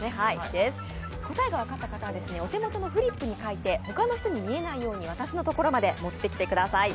答えが分かった方は、お手元のフリップに書いて他の人に見えないように私の所まで持ってきてください。